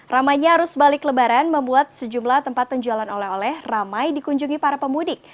ramainya arus balik lebaran membuat sejumlah tempat penjualan oleh oleh ramai dikunjungi para pemudik